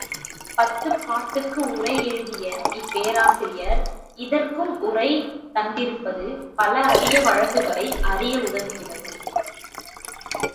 பத்துப்பாட்டுக்கு உரை எழுதிய இப்பேராசிரியர் இதற்கும் உரை தந்திருப்பது பல அரிய வழக்குகளை அறிய உதவுகிறது.